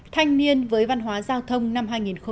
thanh niên với văn hóa giao thông năm hai nghìn một mươi chín